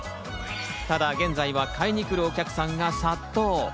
ただ現在は買いに来るお客さんが殺到。